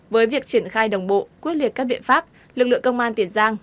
với việc triển khai đồng bộ quyết liệt các biện pháp lực lượng công an tiền giang